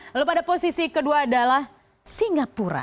lalu pada posisi kedua adalah singapura